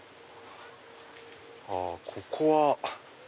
あここは。